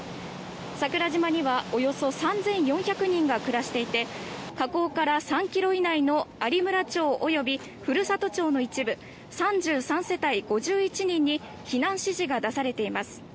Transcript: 桜島にはおよそ３４００人が暮らしていて火口から３ｋｍ以内の有村町及び古里町の一部３３世帯５１人に避難指示が出されています。